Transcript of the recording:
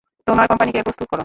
তোমার কোম্পানিকে প্রস্তুত করো।